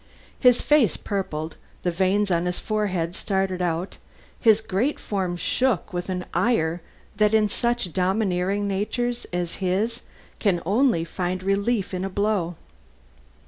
His face purpled, the veins on his forehead started out, his great form shook with an ire that in such domineering natures as his can only find relief in a blow.